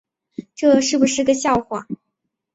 这是不是个笑话